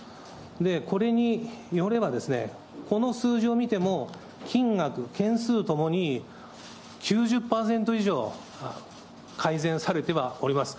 これによれば、この数字を見ても、金額、件数ともに、９０％以上改善されてはおります。